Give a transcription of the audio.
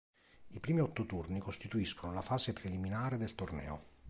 I primi otto turni costituiscono la fase preliminare del torneo.